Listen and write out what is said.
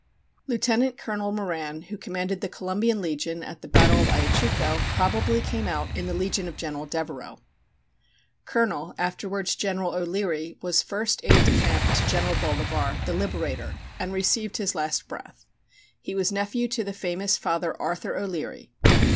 Lieutenant Colonel Moran, who commanded the Colombian legion at the battle of Ayachucho, probably came out in the legion of General Devereux. Colonel (afterwards General) O'Leary was first aide decamp to General Bolivar, the Liberator, and received his last breath. He was nephew to the famous Father Arthur O'Leary.